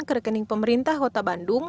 ke rekening pemerintah kota bandung